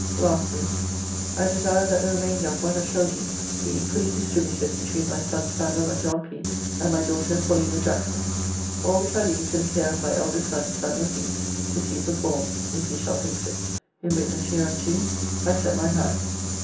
"Lastly. I desire that the remainder of what I shall leave be equally distributed between my sons Samuel and John Pepys and my daughter Paulina Jackson. "All which I leave to the care of my eldest son Samuel Pepys, to see performed, if he shall think fit. "In witness hereunto I set my hand."